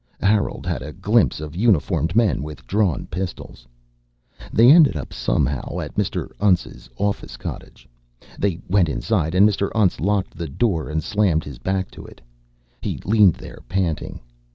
Harold had a glimpse of uniformed men with drawn pistols. They ended up somehow at Mr. Untz's office cottage. They went inside and Mr. Untz locked the door and slammed his back to it. He leaned there, panting.